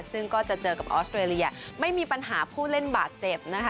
ซึ่งก็จะเจอกับออสเตรเลียไม่มีปัญหาผู้เล่นบาดเจ็บนะคะ